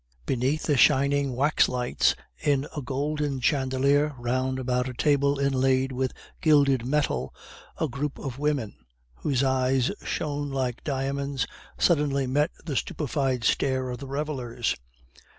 Beneath the shining wax lights in a golden chandelier, round about a table inlaid with gilded metal, a group of women, whose eyes shone like diamonds, suddenly met the stupefied stare of the revelers.